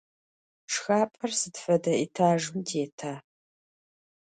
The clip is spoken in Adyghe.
Şşxap'er sıd fede etajjım têta?